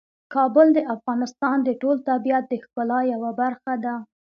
کابل د افغانستان د ټول طبیعت د ښکلا یوه برخه ده.